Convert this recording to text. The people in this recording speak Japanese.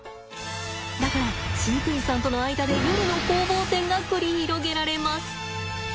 だから飼育員さんとの間で夜の攻防戦が繰り広げられます。